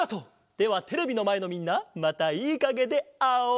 ではテレビのまえのみんなまたいいかげであおう！